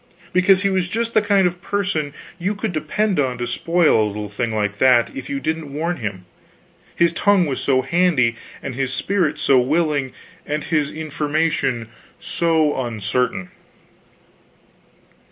Because he was just the kind of person you could depend on to spoil a little thing like that if you didn't warn him, his tongue was so handy, and his spirit so willing, and his information so uncertain.